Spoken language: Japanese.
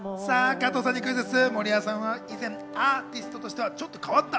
加藤さんにクイズッス。